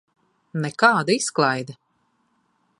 Nekāda izklaide!